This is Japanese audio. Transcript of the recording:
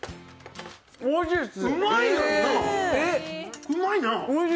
おいしいです。